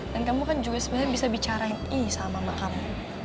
dan kamu kan juga sebenarnya bisa bicara ini sama mama kamu